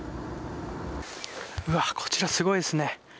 うわあ、こちらすごいですね。